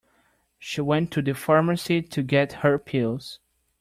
She went to the pharmacy to get her pills.